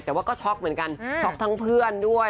แต่ว่าก็ช็อกเหมือนกันช็อกทั้งเพื่อนด้วย